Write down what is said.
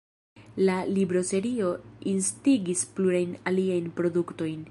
La libroserio instigis plurajn aliajn produktojn.